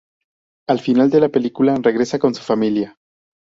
Al final de la película, regresa con su familia.